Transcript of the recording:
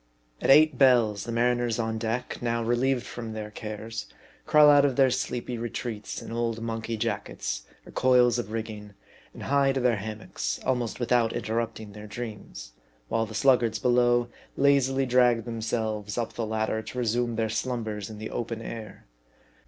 At eight bells, the mariners on deck, now relieved from their cares, crawl out from their sleepy retreats in old monkey jackets, or coils of rigging, and hie to their ham mocks, almost without interrupting their dreams : while the sluggards below lazily drag themselves up the ladder to re sume their slumbers in the open air.